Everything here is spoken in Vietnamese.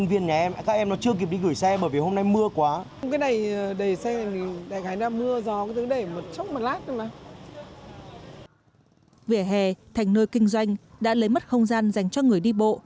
vỉa hè thành nơi kinh doanh đã lấy mất không gian dành cho người đi bộ